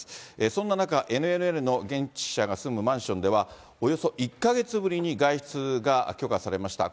そんな中、ＮＮＮの現地記者が住むマンションでは、およそ１か月ぶりに外出が許可されました。